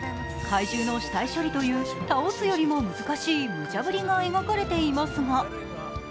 怪獣の死体処理という倒すよりも難しいムチャぶりが描かれていますが。